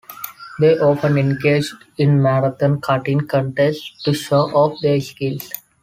They often engaged in marathon cutting contests to show off their skills.